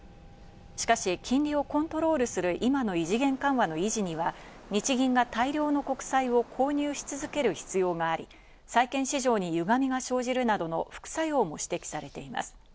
しかし、金利をコントロールする今の異次元緩和の維持には、日銀が大量の国債を購入し続ける必要があり、債券市場に歪みが生じるなどの副作用も指摘されています。